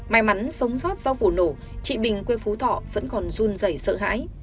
may mắn sống sót sau vụ nổ chị bình quê phú thọ vẫn còn run dày sợ hãi